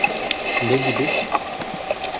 Ne gibi?